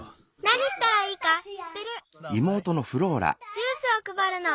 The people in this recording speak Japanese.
ジュースをくばるの！